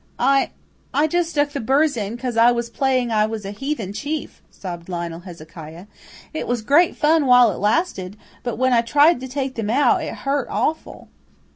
"I I just stuck the burrs in 'cause I was playing I was a heathen chief," sobbed Lionel Hezekiah. "It was great fun while it lasted; but, when I tried to take them out, it hurt awful."